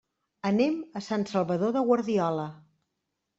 Anem a Sant Salvador de Guardiola.